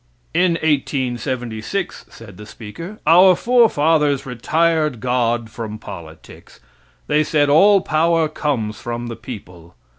"In 1876," said the speaker, "our forefathers retired God from politics. They said all power comes from the people.